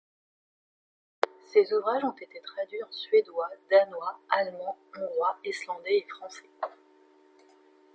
Ses ouvrages ont été traduits en suédois, danois, allemand, hongrois, islandais et français.